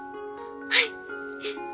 はい！